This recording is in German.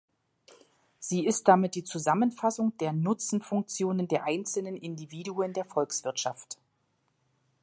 Sie ist damit die Zusammenfassung der Nutzenfunktionen der einzelnen Individuen der Volkswirtschaft.